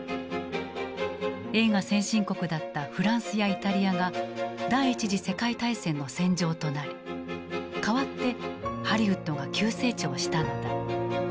映画先進国だったフランスやイタリアが第１次世界大戦の戦場となり代わってハリウッドが急成長したのだ。